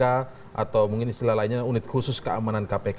atau mungkin istilah lainnya unit khusus keamanan kpk